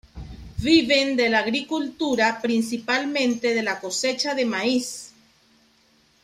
Viven de la agricultura, principalmente de la cosecha de maíz.